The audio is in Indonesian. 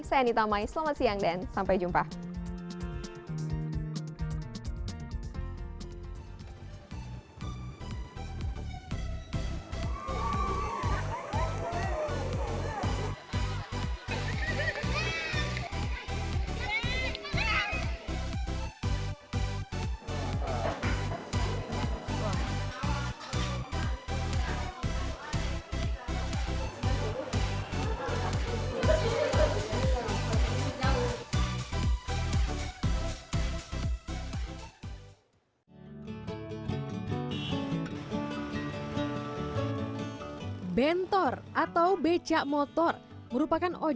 saya anita mai selamat siang dan sampai jumpa